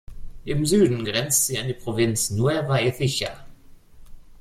Im Süden grenzt sie an die Provinz Nueva Ecija.